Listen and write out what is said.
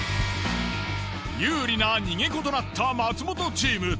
有利な逃げ子となった松本チーム。